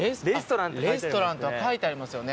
でもレストランとは書いてありますよね。